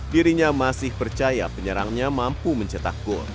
dirinya masih percaya penyerangnya mampu mencetak gol